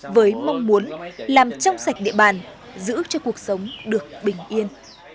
với mong muốn làm trong sạch địa bàn giữ cho cuộc sống được bình yên